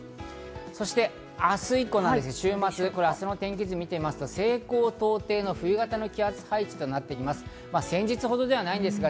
そして明日以降ですが週末、明日の天気図を見てみると、西高東低の冬型の気圧配置となっています。